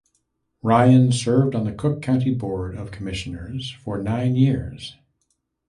Ryan served on the Cook County Board of Commissioners for nine years.